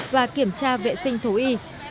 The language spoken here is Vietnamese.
và kiểm tra vệ sinh thú y